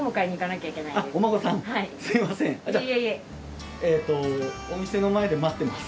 じゃお店の前で待ってます。